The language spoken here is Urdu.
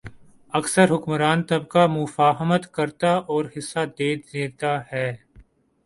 اکثر حکمران طبقہ مفاہمت کرتا اور حصہ دے دیتا ہے۔